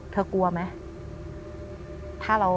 เธอกลัวไหม